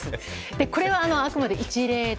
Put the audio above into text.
これは、あくまで一例で。